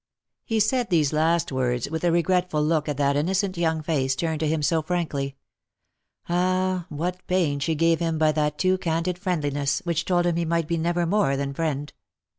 He said these last words with a Lost for Love. 121 regretful look at that innocent young face turned to him so frankly. Ah, what pain she gave him by that too candid friendliness, which told him he might be never more than friend